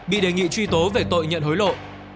bị đề nghị truy tố về tội nhận hối lộ